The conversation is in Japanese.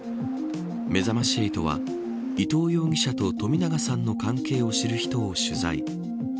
めざまし８は伊藤容疑者と冨永さんの関係を知る人を取材。